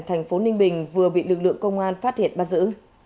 thành phố ninh bình vừa bị lực lượng công an phát hiện bắt giữ